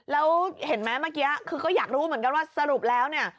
แล้วเห็นไหมเมื่อกี้คือก็อยากรู้เหมือนกันว่าสรุปแล้วเนี่ย